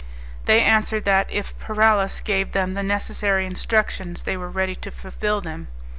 They answered that, if Paralis gave them the necessary instructions, they were ready to fulfil them.